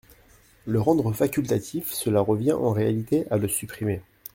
Le rendre facultatif, cela revient en réalité à le supprimer.